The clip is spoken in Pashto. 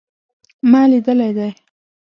ما لیدلی دی